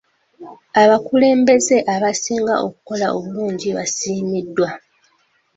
Abakulembeze abaasinga okukola obulungi baasiimiddwa.